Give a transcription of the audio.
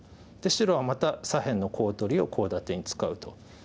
白はまた左辺のコウ取りをコウ立てに使うと。